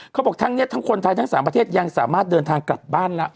เขาบอกทั้งนี้ทั้งคนไทยทั้ง๓ประเทศยังสามารถเดินทางกลับบ้านแล้ว